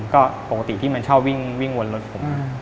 ก็ปกติที่มันชอบวิ่งวนรถผม